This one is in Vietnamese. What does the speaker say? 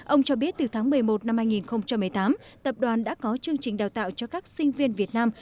ông cho biết từ tháng một mươi một năm hai nghìn một mươi tám tập đoàn đã có chương trình đào tạo cho các sinh viên việt nam